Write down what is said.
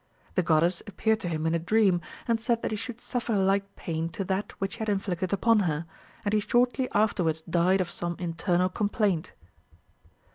The goddess appeared to him in a dream, and said that he should suffer like pain to that which he had inflicted upon her, and he shortly afterwards died of some internal complaint.